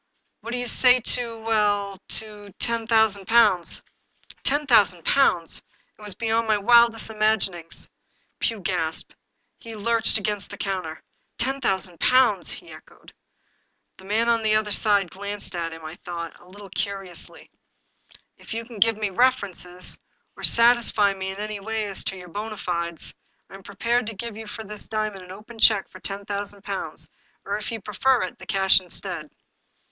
What do you say to — ^well — ^to ten thousand pounds ?" Ten thousand pounds ! It was beyond my wildest imag inings. Pugh gasped. He lurched against the counter. " Ten thousand pounds I " he echoed. The man on the other side glanced at him, I thought, a little curiously. " If you can give me references, or satisfy me in any way as to your bona fides, I am prepared to give you for this diamond an open check for ten thousand pounds, or if you prefer it, the cash instead."